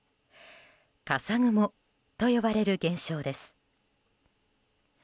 笠雲と呼ばれる現象です。